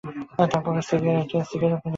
তাঁর পকেটে সিগারেটের প্যাকেট এবং দিয়াশলাই আছে।